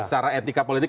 secara etika politik